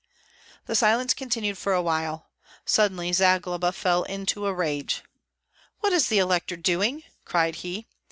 The silence continued for a while; suddenly Zagloba fell into a rage. "What is the elector doing?" cried he.